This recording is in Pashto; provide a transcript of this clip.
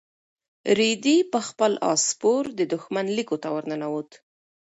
رېدي په خپل اس سپور د دښمن لیکو ته ورننوت.